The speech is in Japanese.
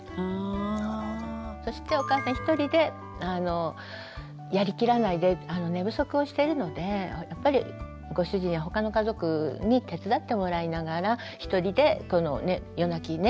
そしてお母さん一人でやりきらないで寝不足をしてるのでやっぱりご主人や他の家族に手伝ってもらいながら一人で夜泣きね